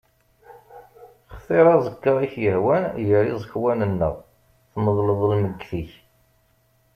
Xtiṛ aẓekka i k-ihwan gar iẓekwan-nneɣ tmeḍleḍ lmegget-ik.